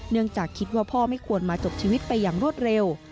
จากคิดว่าพ่อไม่ควรมาจบชีวิตไปอย่างรวดเร็ว